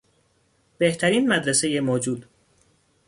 بهترین مدرسهی موجود